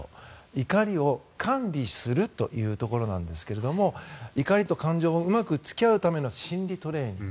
怒りを管理するというところなんですが怒りの感情とうまく付き合うための心理トレーニング。